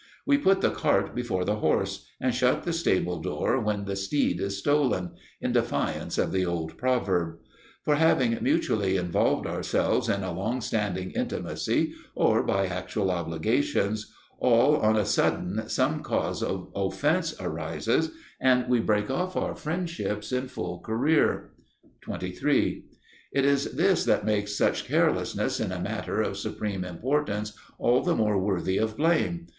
We put the cart before the horse, and shut the stable door when the steed is stolen, in defiance of the old proverb. For, having mutually involved ourselves in a long standing intimacy or by actual obligations, all on a sudden some cause of offence arises and we break off our friendships in full career. 23. It is this that makes such carelessness in a matter of supreme importance all the more worthy of blame.